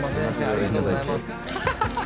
ありがとうございます」